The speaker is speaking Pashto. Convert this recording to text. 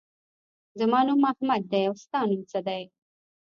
زما نوم احمد دی. او ستا نوم څه دی؟